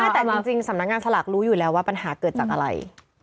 แต่จริงสำนักงานสลากรู้อยู่แล้วว่าปัญหาเกิดจากอะไร